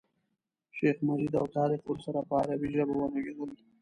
شیخ مجید او طارق ورسره په عربي ژبه وغږېدل.